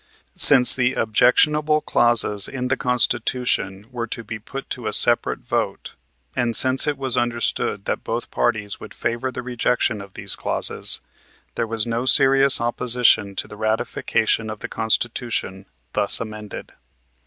Since the objectionable clauses in the Constitution were to be put to a separate vote, and since it was understood that both parties would favor the rejection of these clauses, there was no serious opposition to the ratification of the Constitution thus amended.